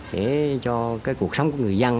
để cho cuộc sống của người dân